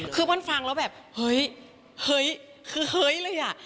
คือเพิ่งฟังแล้วแบบเฮ้ยคือเฮ้ยเลยอ่ะ